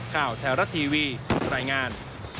ข่าวแถวรัฐทีวีรายงาน